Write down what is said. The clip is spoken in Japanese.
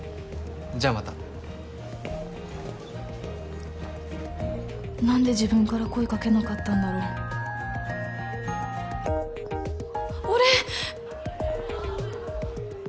じゃあまた何で自分から声かけなかったんだろうお礼！